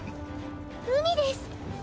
海です。